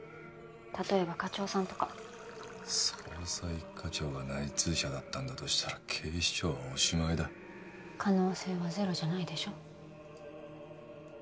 例えば課長さんとか捜査一課長が内通者だったんだとしたら警視庁はおしまいだ可能性はゼロじゃないでしょ